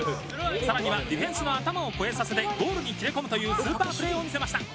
さらにはディフェンスの頭を越えさせてゴールに切れ込むというスーパープレーを見せました！